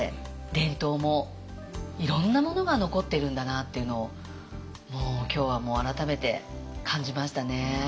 いろんなものが残ってるんだなっていうのを今日は改めて感じましたね。